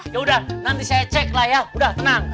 yaudah nanti saya cek lah ya udah tenang